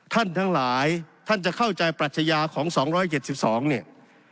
ทั้งหลายท่านจะเข้าใจปรัชญาของ๒๗๒เนี่ย